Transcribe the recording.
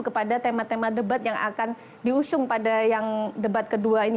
kepada tema tema debat yang akan diusung pada yang debat kedua ini